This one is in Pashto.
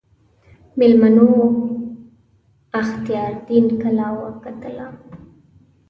میلمنو اختیاردین کلا وکتله.